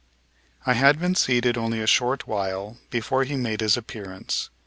I had been seated only a short while before he made his appearance.